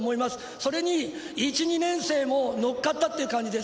それに１、２年生も乗っかったという形です。